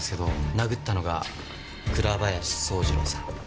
殴ったのが倉林宗次朗さん。